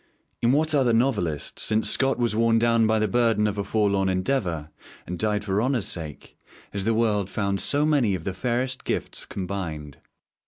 In what other novelist, since Scott was worn down by the burden of a forlorn endeavour, and died for honour's sake, has the world found so many of the fairest gifts combined?